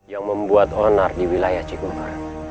yang membuat onar di wilayah cikupar